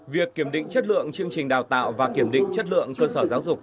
việc kiểm định chất lượng chương trình đào tạo và kiểm định chất lượng cơ sở giáo dục